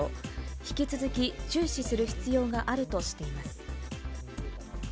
引き続き注視する必要があるとしています。